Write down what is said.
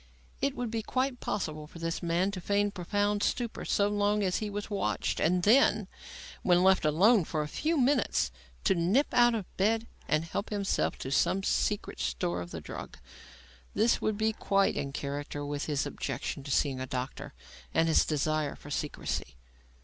It would be quite possible for this man to feign profound stupor so long as he was watched, and then, when left alone for a few minutes, to nip out of bed and help himself from some secret store of the drug. This would be quite in character with his objection to seeing a doctor and his desire for secrecy.